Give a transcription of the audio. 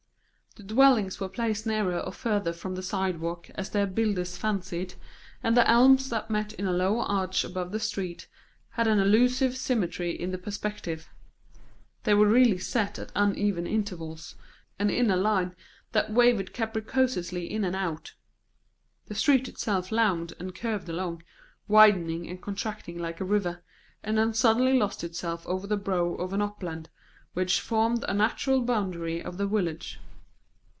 The dwellings were placed nearer or further from the sidewalk as their builders fancied, and the elms that met in a low arch above the street had an illusive symmetry in the perspective; they were really set at uneven intervals, and in a line that wavered capriciously in and out. The street itself lounged and curved along, widening and contracting like a river, and then suddenly lost itself over the brow of an upland which formed a natural boundary of the village.